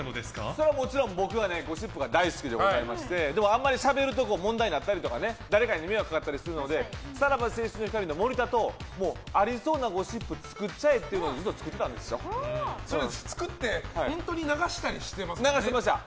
それはもちろん僕はゴシップが大好きでございましてでもあんまりしゃべると問題になったり誰かに迷惑かかったりするのでさらば青春の光と森田とありそうなゴシップ作っちゃえと作って流してました。